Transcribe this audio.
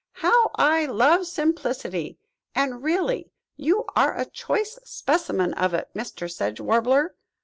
"How I love simplicity, and, really, you are a choice specimen of it, Mr. Sedge Warbler.